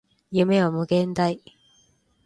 夢は無限大